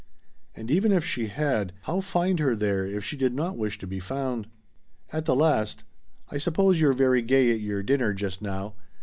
And even if she had how find her there if she did not wish to be found? At the last: "I suppose you're very gay at your dinner just now.